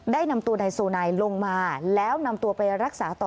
ได้นำตัวนายโซไนลงมาแล้วนำตัวไปรักษาต่อ